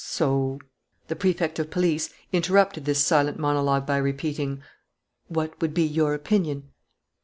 So " The Prefect of Police interrupted this silent monologue by repeating: "What would be your opinion?"